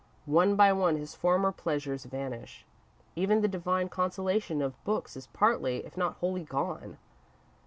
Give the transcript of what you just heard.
One by one, his former pleasures vanish. Even the divine consolation of books is partly if not wholly gone.